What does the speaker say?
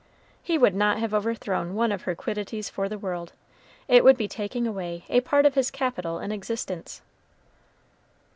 He would not have overthrown one of her quiddities for the world; it would be taking away a part of his capital in existence.